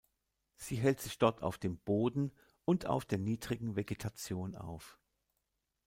Sie hält sich dort auf dem Boden und auf der niedrigen Vegetation auf.